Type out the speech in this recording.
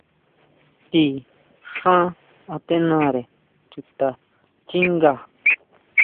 Ti xán atenare chuta xchinga.